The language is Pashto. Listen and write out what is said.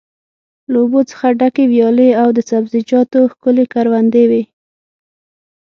له اوبو څخه ډکې ویالې او د سبزیجاتو ښکلې کروندې وې.